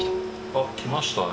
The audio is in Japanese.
あっきましたね。